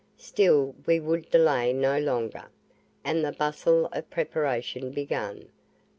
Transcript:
Still we would delay no longer, and the bustle of preparation began.